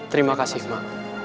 terima kasih ma